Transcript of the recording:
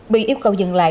bị yêu cầu dừng lại